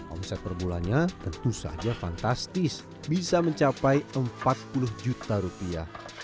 omset per bulannya tentu saja fantastis bisa mencapai empat puluh juta rupiah